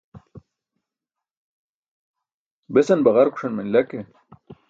Besan baġarkuṣan manila ke